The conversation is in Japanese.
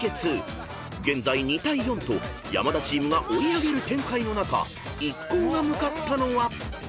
［現在２対４と山田チームが追い上げる展開の中一行が向かったのは］